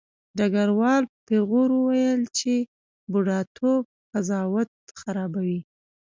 ډګروال په پیغور وویل چې بوډاتوب قضاوت خرابوي